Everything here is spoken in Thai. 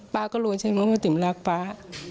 ก็รู้ใช่ไหมว่าติ๋มรักป๊า